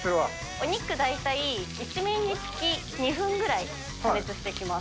お肉大体１面につき２分ぐらい加熱していきます。